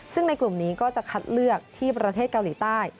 ซึ่งในกลุ่มนี้ก็จะคัดเลือกที่ประเทศเกาหลีใต้